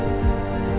kau memang jadi senang